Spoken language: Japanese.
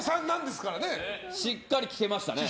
しっかり聞けましたね。